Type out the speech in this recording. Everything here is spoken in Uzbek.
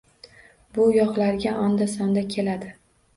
Bu yoqlarga onda-sonda keladi